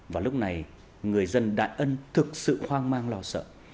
và lúc này người dân đại ân thực sự hoang mang lo sợ